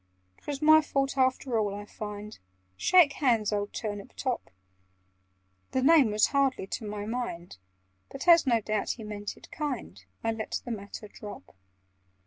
"'Twas my fault after all, I find— Shake hands, old Turnip top!" The name was hardly to my mind, But, as no doubt he meant it kind, I let the matter drop.